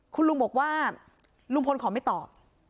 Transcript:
คุณลุงบอกว่าลุงพลขอไม่ตอบ